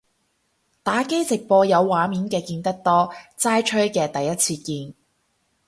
打機直播有畫面嘅見得多，齋吹嘅第一次見